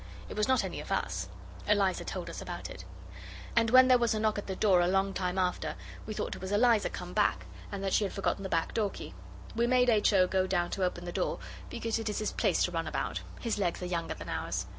It was not any of us; Eliza told us about it. And when there was a knock at the door a long time after we thought it was Eliza come back, and that she had forgotten the back door key. We made H. O. go down to open the door, because it is his place to run about: his legs are younger than ours.